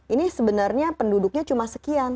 ini sebenarnya penduduknya cuma sekian